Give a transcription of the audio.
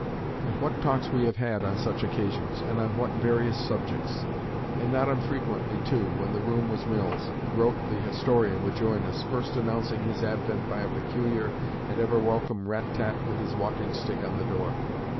And what talks we have had on such occasions, and on what various subjects! and not unfrequently, too, when the room was Mill's, Grote, the historian, would join us, first announcing his advent by a peculiar and ever welcome rat tat with his walking stick on the door.